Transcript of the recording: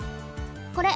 これ。